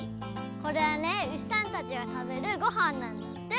これはねうしさんたちがたべるごはんなんだって。